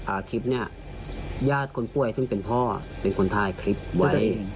คลิปเนี้ยญาติคนป่วยซึ่งเป็นพ่อเป็นคนถ่ายคลิปไว้